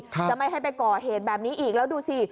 จะไม่ให้ไปก่อเหตุแบบนี้อีกแล้วดูสิ